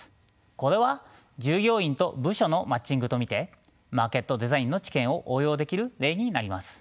これは従業員と部署のマッチングとみてマーケットデザインの知見を応用できる例になります。